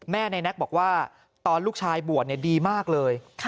ในแน็กบอกว่าตอนลูกชายบวชดีมากเลย